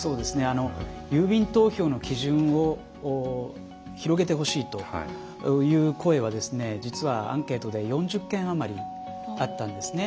郵便投票の基準を広げてほしいという声は実はアンケートで４０件余りあったんですね。